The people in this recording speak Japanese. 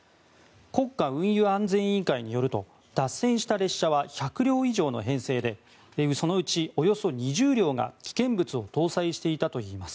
国家運輸安全委員会によると脱線した列車は１００両以上の編成でそのうちおよそ２０両が危険物を搭載していたといいます。